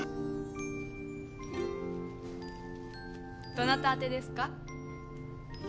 どなた宛てですか？